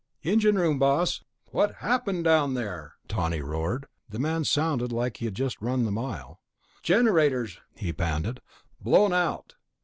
"Engine room, boss." "What happened down there?" Tawney roared. The man sounded like he'd just run the mile. "Generators," he panted. "Blown out."